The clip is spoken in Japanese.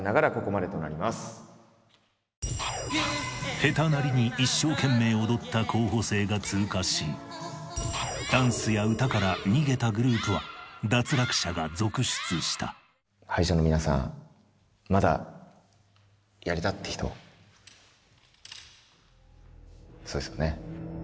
下手なりに一生懸命踊った候補生が通過しダンスや歌から逃げたグループは脱落者が続出したそうですよね。